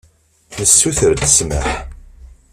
Nessuter-d ssmaḥ.